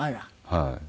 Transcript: はい。